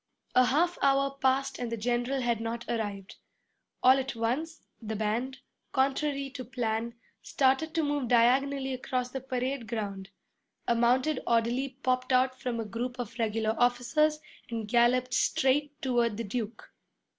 A half hour passed and the general had not arrived. All at once, the band, contrary to plan, started to move diagonally across the parade ground. A mounted orderly popped out from a group of regular officers and galloped straight toward the Duke.